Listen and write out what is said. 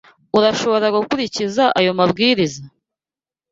Urashobora gukurikiza ayo mabwiriza?